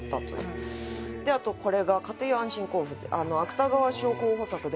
あとこれが『家庭用安心坑夫』という芥川賞候補作で。